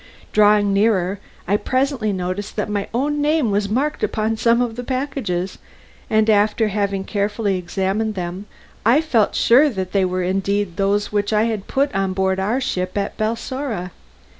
Drawing nearer I presently noticed that my own name was marked upon some of the packages, and after having carefully examined them, I felt sure that they were indeed those which I had put on board our ship at Balsora.